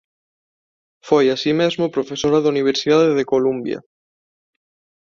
Foi así mesmo profesora da Universidade de Columbia.